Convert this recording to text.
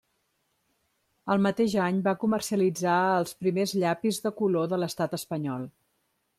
El mateix any va comercialitzar els primers llapis de color de l'Estat espanyol.